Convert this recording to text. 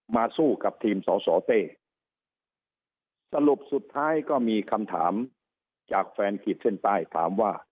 สู้กับทีมสสเต้สรุปสุดท้ายก็มีคำถามจากแฟนขีดเส้นใต้ถามว่า